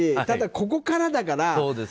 ただ、ここからだから。